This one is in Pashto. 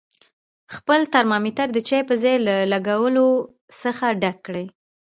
خپل ترمامتر د چای په ځای له الکولو څخه ډک کړئ.